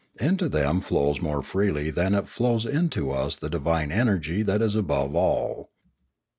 Into them flows more freely than it flows into us the divine energy that is above all.